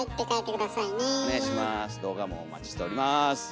動画もお待ちしております。